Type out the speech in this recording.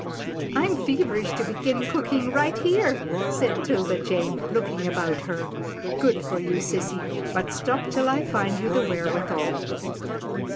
" I'm feverish to begin cooking right here," said 'Tilda Jane looking about her. " Good for you, sissy, but stop till I find you the wherewithal.